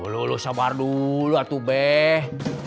lu lu sabar dulu atuh beh